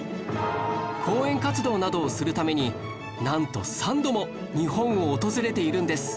講演活動などをするためになんと３度も日本を訪れているんです